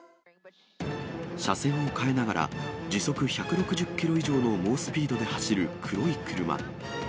車線を変えながら、時速１６０キロ以上の猛スピードで走る黒い車。